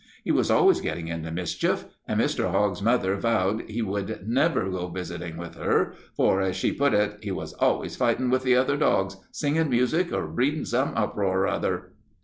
He was always getting into mischief, and Mr. Hogg's mother vowed he should never go visiting with her, for, as she put it, 'he was always fighting with other dogs, singing music, or breeding some uproar or other.'